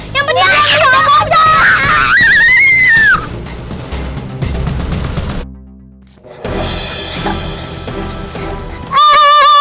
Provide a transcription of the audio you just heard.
yang penting aku bawa panda